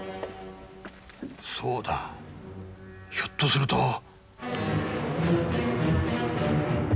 そうだひょっとすると。